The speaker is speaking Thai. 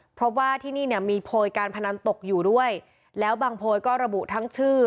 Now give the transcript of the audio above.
เพราะว่าที่นี่เนี่ยมีโพยการพนันตกอยู่ด้วยแล้วบางโพยก็ระบุทั้งชื่อ